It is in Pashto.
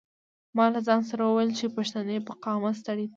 ما له ځان سره وویل چې پښتنې په قامت سترې دي.